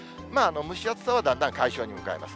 蒸し暑さはだんだん解消に向かいます。